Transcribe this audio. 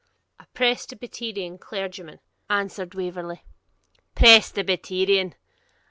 'A Presbyterian clergyman,' answered Waverley. 'Presbyterian!'